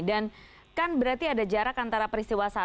dan kan berarti ada jarak antara peristiwa satu